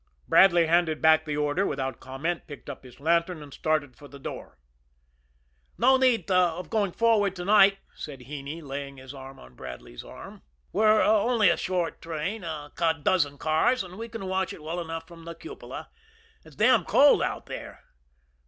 Bradley handed back the order without comment, picked up his lantern, and started for the door. "No need of going forward to night," said Heney, laying his arm on Bradley's arm. "We've only a short train, a dozen cars, and we can watch it well enough from the cupola. It's damn cold out there."